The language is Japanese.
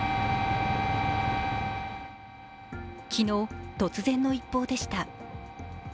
昨日、突然の一報でした。